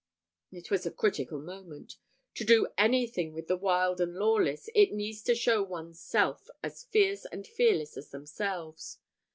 It was a critical moment. To do anything with the wild and lawless, it needs to show one's self as fierce and fearless as themselves.